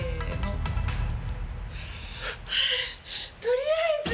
取りあえず。